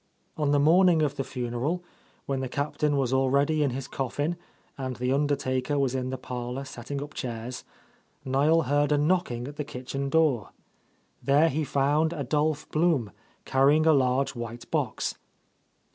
On the morning of the funeral, when the Cap tain was already in his coffin, and the undertaker was in the parlour setting up chairs, Niel heard a knocking at the kitchen door. There he found Adolph Blum, carrying a large white box.